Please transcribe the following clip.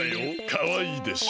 かわいいでしょ？